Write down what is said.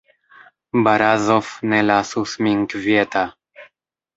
Barazof ne lasus min kvieta.